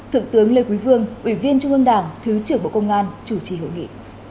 thượng tướng lê quý vương ủy viên trung ương đảng thứ trưởng bộ công an chủ trì hội nghị